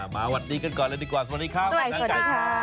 มาวันนี้กันก่อนแล้วดีกว่าสวัสดีค่ะสวัสดีค่ะ